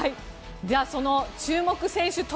じゃあその注目選手